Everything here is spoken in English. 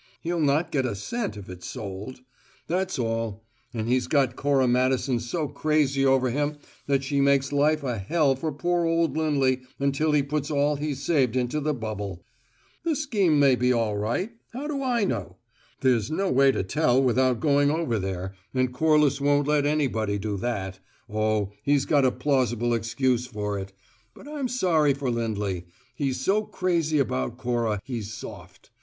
He'll not get a cent if it's sold. That's all. And he's got Cora Madison so crazy over him that she makes life a hell for poor old Lindley until he puts all he's saved into the bubble. The scheme may be all right. How do I know? There's no way to tell, without going over there, and Corliss won't let anybody do that oh, he's got a plausible excuse for it! But I'm sorry for Lindley: he's so crazy about Cora, he's soft.